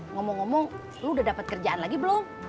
ngomong ngomong lu udah dapat kerjaan lagi belum